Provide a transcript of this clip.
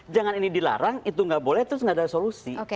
jangan ini dilarang itu nggak boleh terus nggak ada solusi